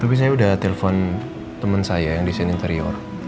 tapi saya udah telpon temen saya yang desain interior